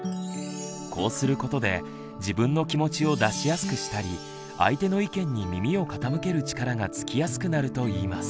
こうすることで自分の気持ちを出しやすくしたり相手の意見に耳を傾ける力がつきやすくなるといいます。